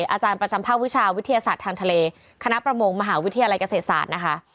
อาจารย์ประจำภาควิชาวิทยาศาสตร์ทางทะเลคณะประมงมหาวิทยาลัยเกษตรศาสตร์นะคะ